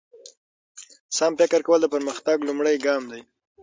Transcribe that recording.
سم فکر کول د پرمختګ لومړی ګام دی.